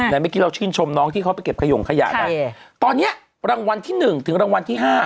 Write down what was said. แต่เมื่อกี้เราชื่นชมน้องที่เขาไปเก็บขยงขยะนะตอนนี้รางวัลที่๑ถึงรางวัลที่๕